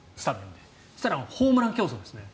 そしたらホームラン競争ですね。